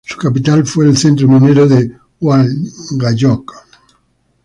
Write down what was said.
Su capital fue el centro minero de Hualgayoc.